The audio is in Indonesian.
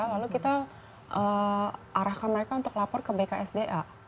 lalu kita arahkan mereka untuk lapor ke bksda